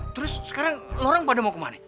terus sekarang lo orang pada mau kemana